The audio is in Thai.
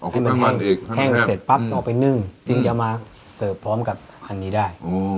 เอาแป้งมันอีกให้มันแทบออกไปนึ่งจริงเอามาเสิร์ฟพร้อมกับอันนี้ได้